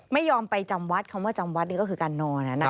ไม่ยอมไปจำวัดคำว่าจำวัดนี่ก็คือการนอน